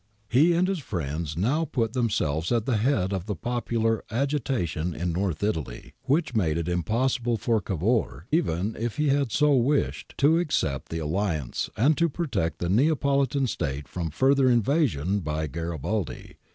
He and his friends now put themselves at the head of the popular agitation in North Ital}'^, which made it impossible for Cavour, even if he had so wished, to accept the alliance and to protect the Neapolitan State from further invasion by Garibaldi.